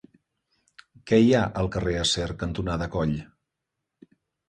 Què hi ha al carrer Acer cantonada Coll?